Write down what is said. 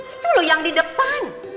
itu loh yang di depan